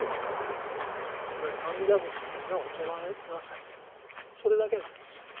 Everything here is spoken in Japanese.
つまり「阿弥陀仏の名を称えなさい」とそれだけなんですよ。